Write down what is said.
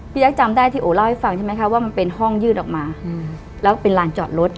แจ๊คจำได้ที่โอเล่าให้ฟังใช่ไหมคะว่ามันเป็นห้องยืดออกมาแล้วเป็นลานจอดรถ